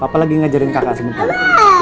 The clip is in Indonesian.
papa lagi ngajarin kakak sementara